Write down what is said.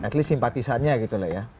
at least simpatisannya gitu loh ya